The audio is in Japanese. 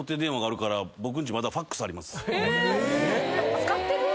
使ってる？